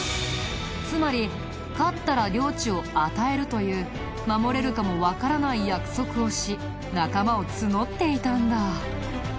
つまり「勝ったら領地を与える」という守れるかもわからない約束をし仲間を募っていたんだ。